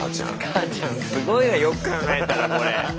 母ちゃんすごいなよく考えたらこれ。